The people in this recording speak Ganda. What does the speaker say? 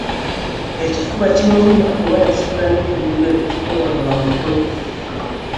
Ekifuba kimuluma kuba yasitula nnyo ebintu ebizitowa nga muto.